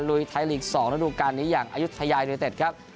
ลุยไทยลีกส์๒แล้วดูกันนี้อย่างอายุทัยายูเนเต็ตครับ